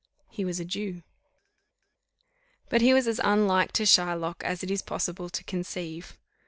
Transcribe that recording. he was a Jew." But he was as unlike to Shylock as it is possible to conceive.